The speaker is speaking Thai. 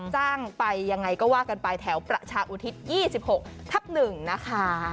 จ้างไปยังไงก็ว่ากันไปแถวประชาอุทิศ๒๖ทับ๑นะคะ